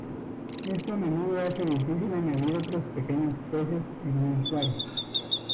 Esto a menudo hace difícil añadir otros pequeños peces en un acuario.